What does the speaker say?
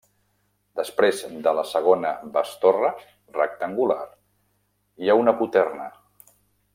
Després de la segona bestorre rectangular hi ha una poterna.